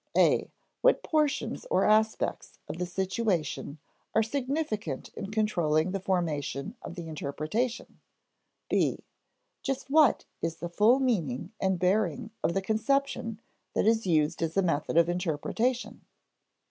(a) What portions or aspects of the situation are significant in controlling the formation of the interpretation? (b) Just what is the full meaning and bearing of the conception that is used as a method of interpretation?